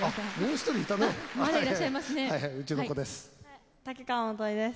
うちの子です。